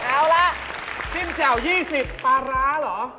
แล้วล่ะจิ้มแจ่ว๒๐ปร้าร้าเหรอ